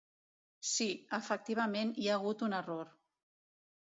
Sí, efectivament hi ha hagut un error.